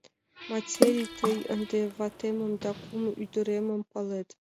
Метрий, тый ынде ватемым да кум ӱдыремым палет.